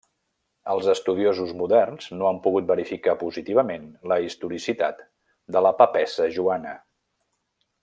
Els estudiosos moderns no han pogut verificar positivament la historicitat de la Papessa Joana.